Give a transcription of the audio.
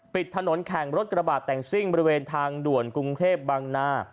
ปิดถนนแข่งรถกระบาดแต่งซิ่งบริเวณทางด่วนกรุงเทพบางนา